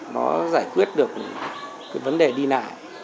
nó giải quyết được vấn đề đi nải